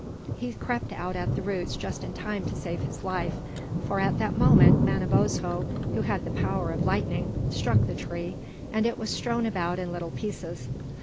He crept out at the roots just in time to save his life, for at that moment Manabozho, who had the power of lightning, struck the tree, and it was strewn about in little pieces.